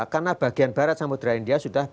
karena bagian barat samudera india sudah